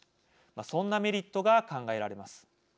そんなメリットが考えられます。